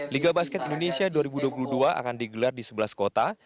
liga basket indonesia dua ribu dua puluh dua akan digelar di sebelas kota